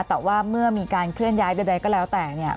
แต่ว่าเมื่อมีการเคลื่อนย้ายใดก็แล้วแต่เนี่ย